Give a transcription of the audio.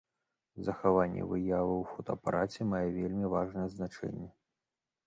Захаванне выявы ў фотаапараце мае вельмі важнае значэнне.